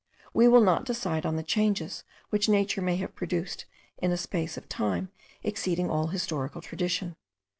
We will not decide on the changes which nature may have produced in a space of time exceeding all historical tradition.